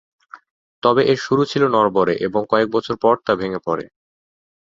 তবে এর শুরু ছিল নড়বড়ে এবং কয়েক বছর পর তা ভেঙ্গে পড়ে।